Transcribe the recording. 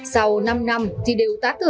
sau năm năm thì đều tá tử